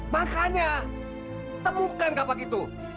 makanya temukan kakak itu